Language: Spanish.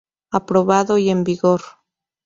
Aprobado y en vigor.